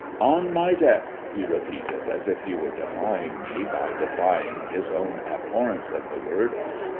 ' On my death,' he repeated, as if he were defying me by defying his own abhorrence of the word.